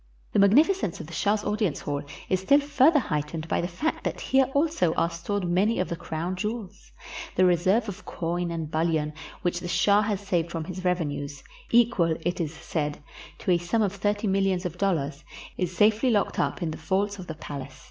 The magnificence of the shah's audience hall is still further heightened by the fact that here also are stored many of the crown jewels. The reserve of coin and bul lion which the shah has saved from his revenues, equal, it is said, to a sum of thirty millions of dollars, is safely locked up in the vaults of the palace.